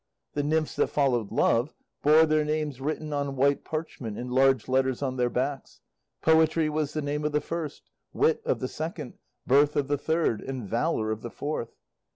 The nymphs that followed Love bore their names written on white parchment in large letters on their backs. "Poetry" was the name of the first, "Wit" of the second, "Birth" of the third, and "Valour" of the fourth.